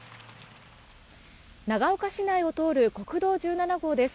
長岡市内を通る国道１７号です。